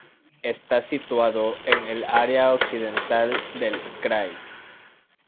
Está situado en el área occidental del "krai".